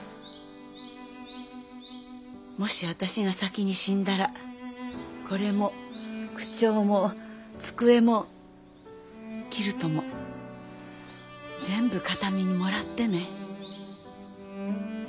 もし私が先に死んだらこれも句帳も机もキルトも全部形見にもらってね。